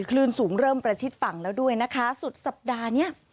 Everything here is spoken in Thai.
คลื่นสูงเริ่มประชิดฝั่งแล้วด้วยนะคะสุดสัปดาห์เนี้ย